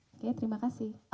oke terima kasih